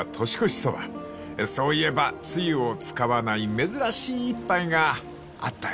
［そういえばつゆを使わない珍しい一杯があったよな］